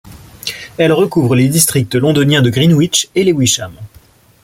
Elle recouvre les districts londoniens de Greenwich et Lewisham.